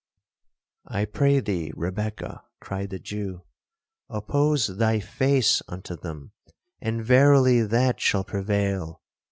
'—'I pray thee, Rebekah,' cried the Jew, 'oppose thy FACE unto them, and verily that shall prevail.